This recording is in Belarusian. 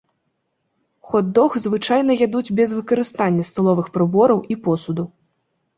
Хот-дог звычайна ядуць без выкарыстання сталовых прыбораў і посуду.